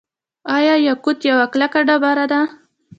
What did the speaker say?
آیا یاقوت یوه کلکه ډبره ده؟